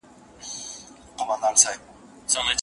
مسلمانانو ته د بلې نکاح نه کولو امر کله کیږي؟